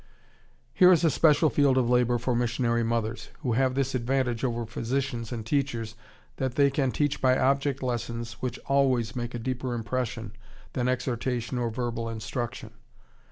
Here is a special field of labor for missionary mothers, who have this advantage over physicians and teachers that they can teach by object lessons which always make a deeper impression than exhortation or verbal instruction.